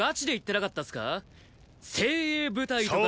精鋭部隊とか。